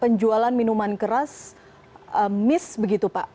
penjualan minuman keras miss begitu pak